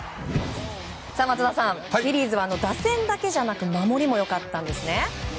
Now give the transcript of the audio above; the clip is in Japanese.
松田さんフィリーズは打線だけじゃなく守りも良かったんですね。